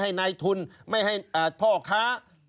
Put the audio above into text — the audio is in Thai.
ชีวิตกระมวลวิสิทธิ์สุภาณฑ์